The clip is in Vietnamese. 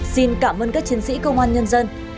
xin cảm ơn các chiến sĩ công an nhân dân